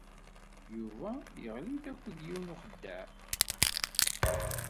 Yuba yeɣli-d akked yiwen n uxeddaɛ.